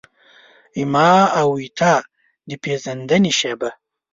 زما او ستا د پیژندنې شیبه